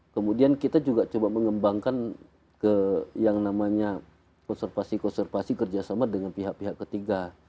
kemudian kita juga coba mengembangkan ke yang namanya konservasi konservasi kerjasama dengan pihak pihak ketiga